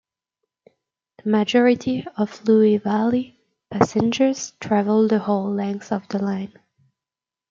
The majority of Looe Valley passengers travel the whole length of the line.